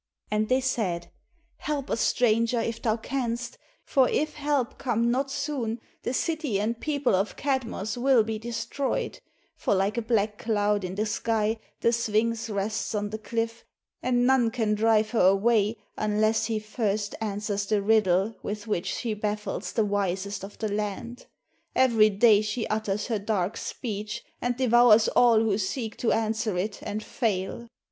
And they said, "Help us, stranger, if thou canst, for if help come not soon, the city and people of Kadmos will be destroyed; for like a black cloud in the sky the Sphinx rests on the cliff, and none can drive her away unless he first answers the riddle with which she baffles the wisest of the land. Every day she utters her dark speech, and devours all who seek to answer it and fail."